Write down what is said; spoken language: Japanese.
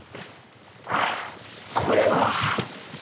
あこれは。